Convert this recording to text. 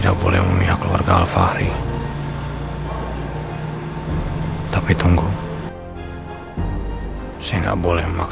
aku belum selesai menggambar